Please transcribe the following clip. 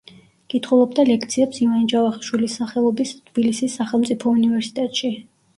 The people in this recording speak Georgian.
კითხულობდა ლექციებს ივანე ჯავახიშვილის სახელობის თბილისის სახელმწიფო უნივერსიტეტში.